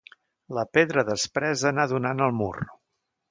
La pedra despresa anà a donar en el mur.